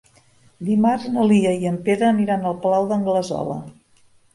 Dimarts na Lia i en Pere aniran al Palau d'Anglesola.